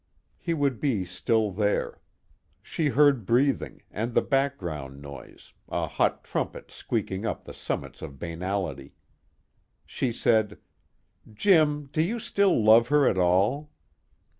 '" He would be still there. She heard breathing, and the background noise, a hot trumpet squeaking up the summits of banality. She said: "Jim, do you still love her at all?"